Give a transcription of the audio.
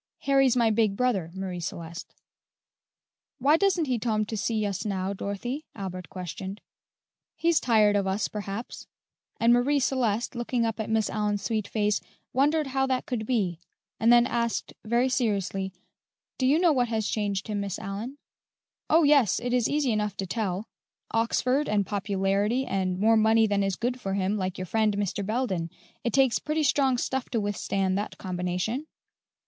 Harry's my big brother, Marie Celeste." "Why doesn't he tom to see us now, Dorothy?" Albert questioned. "He's tired of us, perhaps;" and Marie Celeste, looking up at Miss Allyn's sweet face, wondered how that could be, and then asked very seriously, "Do you know what has changed him, Miss Aliyn?" "Oh, yes, it is easy enough to tell: Oxford and popularity and more money than is good for him, like your friend, Mr. Belden. It takes pretty strong stuff to withstand that combination."